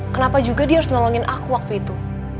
kenapa juga dia harus nolongin aku waktu itu